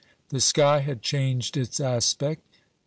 The sky had changed its aspect.